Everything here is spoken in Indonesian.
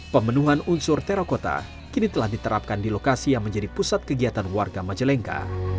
pemenuhan unsur terakota kini telah diterapkan di lokasi yang menjadi pusat kegiatan warga majalengka